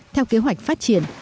theo kế hoạch phát triển